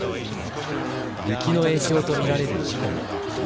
雪の影響と見られる事故も。